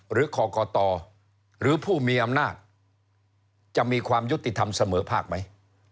กรกตหรือผู้มีอำนาจจะมีความยุติธรรมเสมอภาคไหม